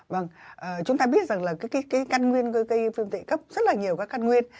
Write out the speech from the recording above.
vâng chúng ta biết rằng là cái căn nguyên của viêm tụy cấp rất là nhiều các căn nguyên